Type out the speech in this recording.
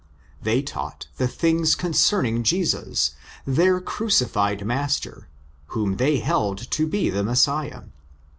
They taught '' the things concerning Jesus,'' their crucified Master, whom they held to be the Messiah.